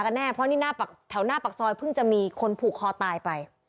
แน่เพราะนี่หน้าแถวหน้าปากซอยเพิ่งจะมีคนผูกคอตายไป